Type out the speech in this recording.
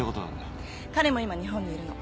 彼も今日本にいるの。